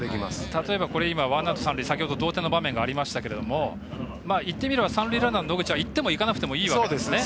例えば、ワンアウト、三塁先ほど同点の場面がありましたけれども言ってみれば三塁ランナーの野口行っても行かなくてもいいわけですね。